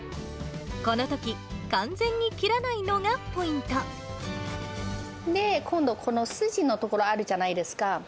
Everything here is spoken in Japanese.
このとき、完全に切らないのがポ今度、この筋の所あるじゃないですか。